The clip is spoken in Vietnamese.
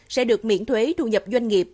sẽ được miễn thuế thu nhập doanh nghiệp